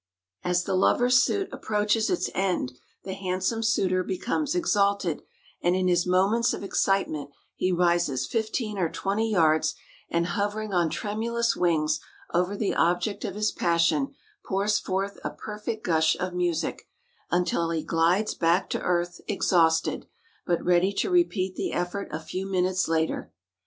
As the lover's suit approaches its end the handsome suitor becomes exalted, and in his moments of excitement he rises fifteen or twenty yards, and hovering on tremulous wings over the object of his passion, pours forth a perfect gush of music, until he glides back to earth exhausted, but ready to repeat the effort a few minutes later.